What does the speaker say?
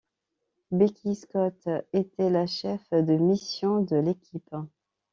Beckie Scott était la chef de mission de l'équipe.